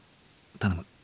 頼む。